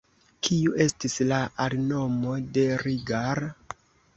Kiu estis la alnomo de Rigar?